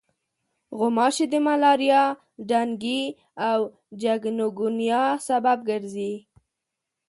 غوماشې د ملاریا، ډنګي او چکنګونیا سبب ګرځي.